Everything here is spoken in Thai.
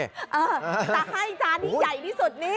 เออแต่ให้จานที่ใหญ่ที่สุดนี่